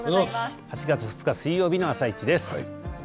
８月２日水曜日の「あさイチ」です。